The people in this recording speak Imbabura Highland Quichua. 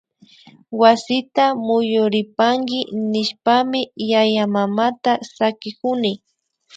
Wasita muyuripanki nishpami yayamamata sakikuni